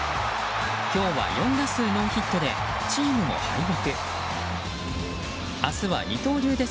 今日は４打数ノーヒットでチームも敗北。